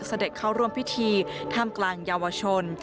เสด็จเข้าร่วมพิธีท่ามกลางเยาวชน